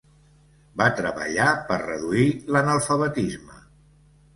Va treballar per reduir l'analfabetisme.